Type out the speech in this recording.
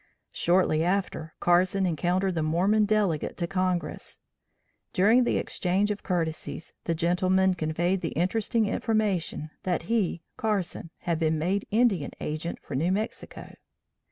Shortly after Carson encountered the Mormon delegate to Congress. During the exchange of courtesies, the gentleman conveyed the interesting information that he Carson had been made Indian Agent for New Mexico.